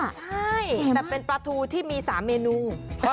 ใช่แต่เป็นปลาทูที่มี๓เมนู